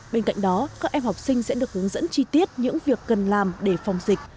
bên cạnh đó các em học sinh sẽ được hướng dẫn chi tiết những việc cần làm để phòng dịch